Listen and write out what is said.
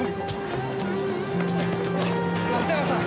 松山さん！